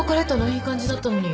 いい感じだったのに。